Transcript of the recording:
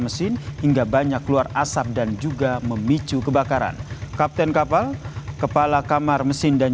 mesin hingga banyak keluar asap dan juga memicu kebakaran kapten kapal kepala kamar mesin dan